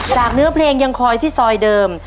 เนื้อเพลงยังคอยที่ซอยเดิม